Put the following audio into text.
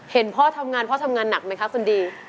เห็นพ่อท่ำงานพ่อท่ำงานหนักมั้ยครับสนดี